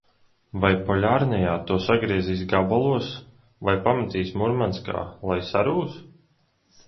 Vai Poļarnijā to sagriezīs gabalos vai pametīs Murmanskā, lai sarūs?